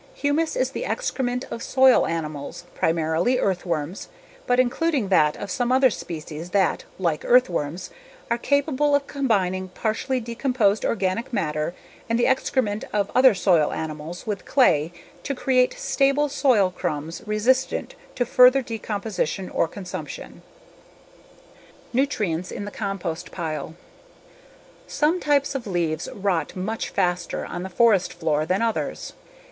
Humus is the excrement of soil animals, primarily earthworms, but including that of some other species that, like earthworms, are capable of combining partially decomposed organic matter and the excrement of other soil animals with clay to create stable soil crumbs resistant to further decomposition or consumption. Nutrients in the Compost Pile Some types of leaves rot much faster on the forest floor than others.